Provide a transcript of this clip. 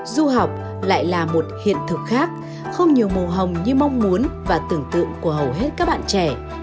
du học lại là một hiện thực khác không nhiều màu hồng như mong muốn và tưởng tượng của hầu hết các bạn trẻ